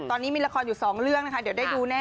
ตอนนี้มีละครอยู่สองเรื่องนะคะเดี๋ยวได้ดูแน่